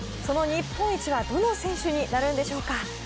その日本一はどの選手になるんでしょうか。